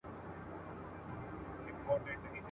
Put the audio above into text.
او د «ښځي د غلامۍ» پیل وسو